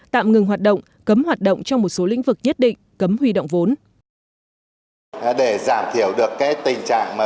tạm ngừng hoạt động cấm hoạt động trong một số lĩnh vực nhất định cấm huy động vốn